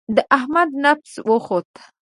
د احمد نفس وخوت.